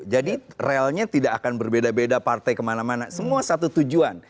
jadi relnya tidak akan berbeda beda partai kemana mana semua satu tujuan